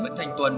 nguyễn thanh tuân